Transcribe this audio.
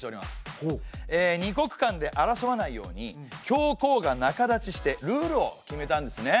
２国間で争わないように教皇が仲立ちしてルールを決めたんですね。